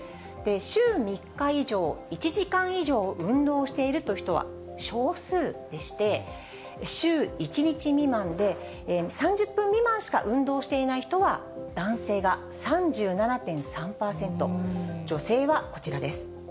週３日以上、１時間以上運動しているという人は少数でして、週１日未満で３０分未満しか運動していない人は、男性が３７．３％、女性はこちらです。